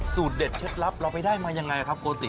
สูตรเด็ดเท็จลับเราไปได้มาอย่างไรครับโกติ